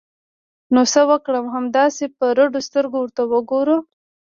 نو څه وکړو؟ همداسې په رډو سترګو ورته وګورو!